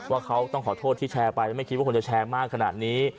ว่าเขาต้องขอโทษที่แชร์ไปแล้วไม่คิดว่าคนจะแชร์มากขนาดนี้